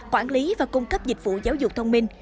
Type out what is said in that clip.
quản lý và cung cấp dịch vụ giáo dục thông minh